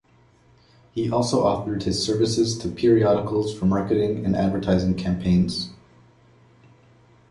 He also offered his services to periodicals for marketing and advertising campaigns.